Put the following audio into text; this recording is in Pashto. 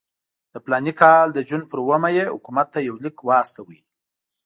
د فلاني کال د جون پر اوومه یې حکومت ته یو لیک واستاوه.